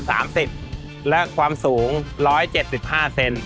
สามสิบและความสูงร้อยเจ็ดสิบห้าเซน